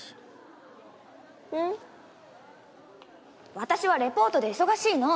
私はレポートで忙しいの。